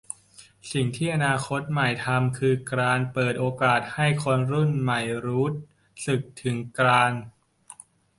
สิ่งที่อนาคตใหม่ทำคือการเปิดโอกาสให้คนรุ่นใหม่รู้สึกถึงการ